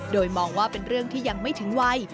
โดยมองว่าเป็นเรื่องที่ยังไม่ถึงวัย